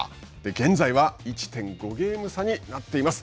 現在は１．５ゲーム差になっています。